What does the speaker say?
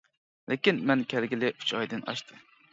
لېكىن مەن كەلگىلى ئۈچ ئايدىن ئاشتى.